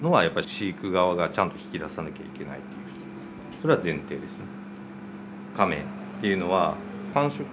それは前提ですね。